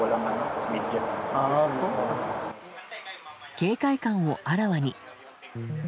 警戒感をあらわに。